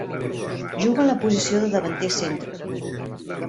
Juga en la posició de davanter centre.